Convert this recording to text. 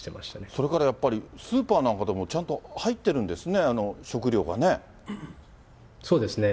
それからやっぱり、スーパーなんかでもちゃんと入ってるんでそうですね。